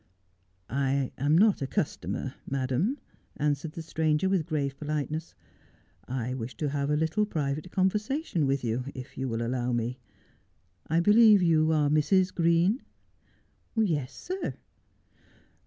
' I am not a customer, madam,' answered the stranger, with grave politeness. ' I wish to have a little private conversation with you, if you will allow me. I believe you are Mrs. Green 1 '' Yes, sir.'